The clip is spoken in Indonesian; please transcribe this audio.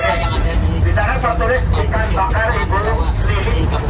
di sini saja yang paling dekat